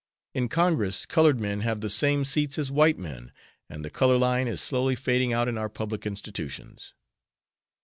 In Congress colored men have the same seats as white men, and the color line is slowly fading out in our public institutions."